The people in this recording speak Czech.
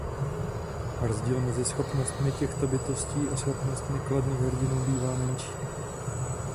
Rozdíl mezi schopnostmi těchto bytostí a schopnostmi kladných hrdinů bývá menší.